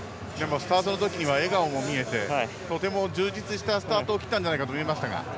スタートのときには笑顔も見えてとても充実したスタートを切ったように見えました。